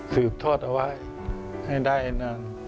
สืบทอดเอาไว้ให้ได้นาน